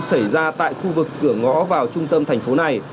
xảy ra tại khu vực cửa ngõ vào trung tâm thành phố này